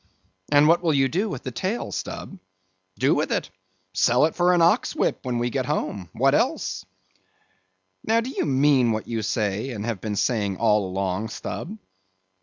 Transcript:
"And what will you do with the tail, Stubb?" "Do with it? Sell it for an ox whip when we get home;—what else?" "Now, do you mean what you say, and have been saying all along, Stubb?"